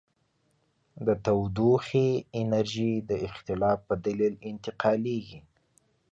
د تودوخې انرژي د اختلاف په دلیل انتقالیږي.